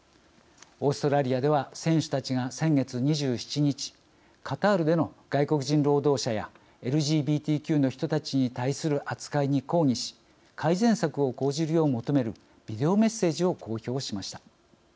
オーストラリアでは選手たちが先月２７日カタールでの外国人労働者やＬＧＢＴＱの人たちに対する扱いに抗議し改善策を講じるよう求めるビデオメッセージを公表しました。